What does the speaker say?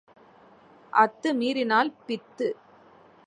அத்து மீறினால் பித்து.